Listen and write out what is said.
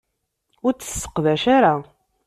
Ur t-tesseqdac ara.